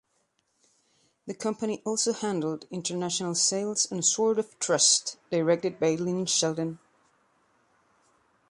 The company also handled international sales on "Sword of Trust" directed by Lynn Shelton.